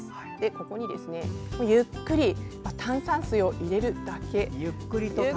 ここにゆっくり炭酸水を入れるだけ。